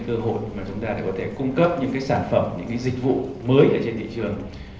có thể nói là mở ra những cái cơ hội mà chúng ta có thể cung cấp những cái sản phẩm những cái dịch vụ mới ở trên thị trường